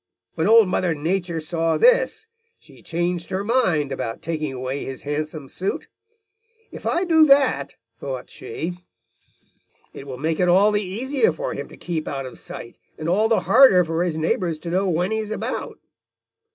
"When Old Mother Nature saw this, she changed her mind about taking away his handsome suit. 'If I do that,' thought she, 'it will make it all the easier for him to keep out of sight, and all the harder for his neighbors to know when he is about.'